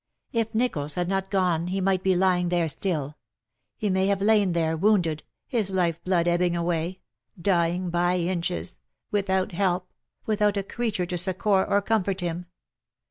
If Nicholls had not gone he might be lying there still. He may have lain there wounded — his life blood ebbing away — dying by inches — without help — without a creature to succour or comfort him.